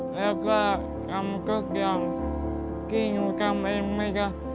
แล้วก็ทำก็เกี่ยวกับที่หนูทำเองไหมครับ